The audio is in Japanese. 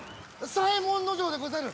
左衛門尉でござる！